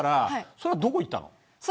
それはどこにいったの。